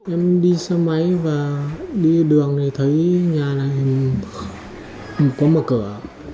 em đi xe máy và đi đường thì thấy nhà này không có mở cửa